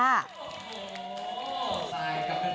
โอ้โหไซด์กลับขึ้นฝากกับสินชมทุกคนค่ะ